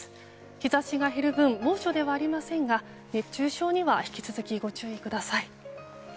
日差しが減る分猛暑ではありませんが熱中症には引き続きご注意ください。